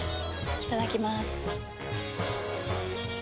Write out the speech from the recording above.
いただきまーす。